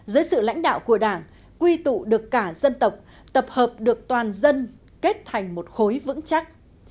giới sự lãnh đạo của đảng quy tụ được cả dân tộc tập hợp được toàn dân kết thành một khối vật